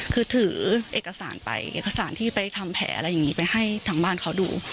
คือถือเอกสารไปเอกสารที่ไปทำแผลอะไรอย่างนี้ไปให้ทางบ้านเขาดู